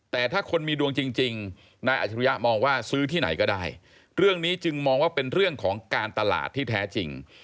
แต่ถ้าคนมีดวงจริงนายอัจฉริยะมองว่าซื้อที่ไหนก็ได้เรื่องนี้จึงมองว่าเป็นเรื่องของการตลาดที่แท้จริง